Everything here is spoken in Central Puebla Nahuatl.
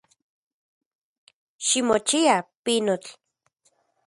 Ximochia, pinotl.